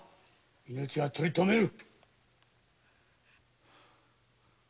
命はとりとめる。